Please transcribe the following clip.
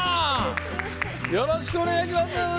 よろしくお願いします。